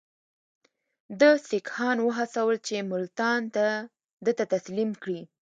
ده سیکهان وهڅول چې ملتان ده ته تسلیم کړي.